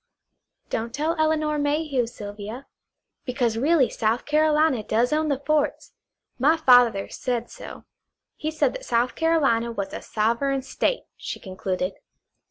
"Don't tell Elinor Mayhew, Sylvia. Because really South Carolina does own the forts. My father said so. He said that South Carolina was a Sovereign State," she concluded.